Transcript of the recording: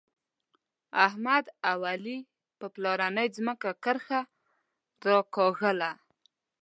احمد او علي په پلارنۍ ځمکه کرښه راکاږله.